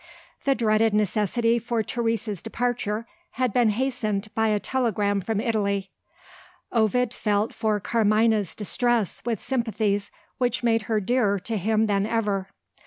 The dreaded necessity for Teresa's departure had been hastened by a telegram from Italy: Ovid felt for Carmina's distress with sympathies which made her dearer to him than ever.